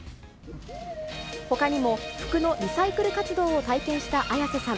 ほかにも服のリサイクル活動を体験した綾瀬さん。